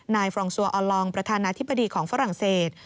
ฟรองซัวออลองประธานาธิบดีของฝรั่งเศส